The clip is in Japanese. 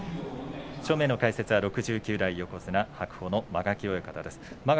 正面の解説は６９代横綱白鵬の間垣親方です。